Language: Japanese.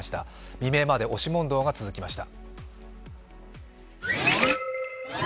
未明まで押し問答が続きました。